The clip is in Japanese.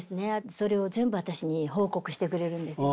それを全部私に報告してくれるんですよ。